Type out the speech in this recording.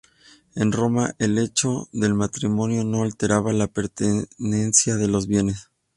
En Roma, el hecho del matrimonio no alteraba la pertenencia de los bienes.